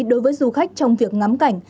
đối với du khách trong việc ngắm cảnh